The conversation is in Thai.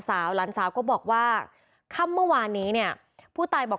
ทราวรรณสาวก็บอกว่าค่ำเมื่อวานปุ๊บตายบอก